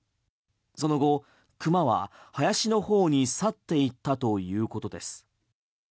その後、クマは林のほうに去っていったということです。